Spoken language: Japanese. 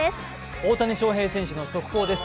大谷翔平選手の速報です。